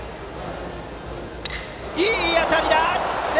いい当たりだ！